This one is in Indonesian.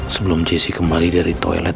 sebelum jessi kembali dari toilet